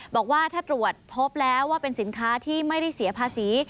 บอกว่าถ้าตรวจพบแล้วว่าเป็นสินค้าที่ไม่ได้เสียภาษี